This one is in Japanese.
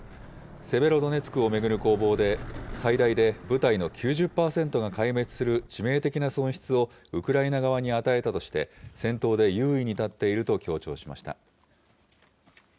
セベロドネツクを巡る攻防で、最大で部隊の９０％が壊滅する致命的な損失をウクライナ側に与えたとして、戦闘で優位に立っていると強調しました。